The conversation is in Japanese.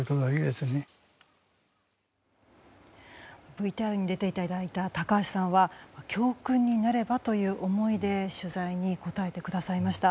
ＶＴＲに出ていただいた高橋さんは教訓になればという思いで取材に答えてくださいました。